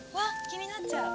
気になっちゃう」